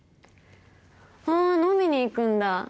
あー飲みに行くんだ？